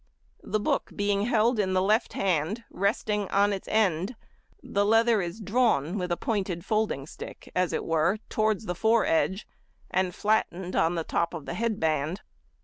The book being held in the left hand, resting on its end, the leather is drawn with a pointed folding stick, as it were, towards the foredge, and flattened on the top of the head band.